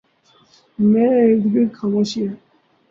میرے اردگرد خاموشی ہے ۔